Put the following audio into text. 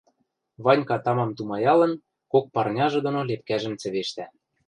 Ванька, тамам тумаялын, кок парняжы доно лепкӓжӹм цӹвештӓ